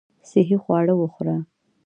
صحي خواړه وخوره .